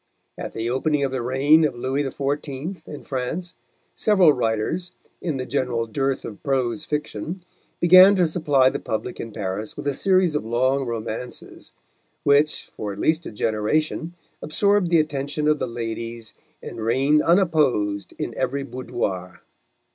At the opening of the reign of Louis XIV. in France, several writers, in the general dearth of prose fiction, began to supply the public in Paris with a series of long romances, which for at least a generation absorbed the attention of the ladies and reigned unopposed in every boudoir.